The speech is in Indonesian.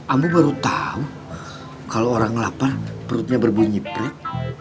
ampun baru tau kalau orang lapar perutnya berbunyi pret